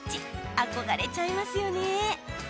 憧れちゃいますよね。